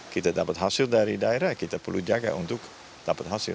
kita dapat hasil dari daerah kita perlu jaga untuk dapat hasil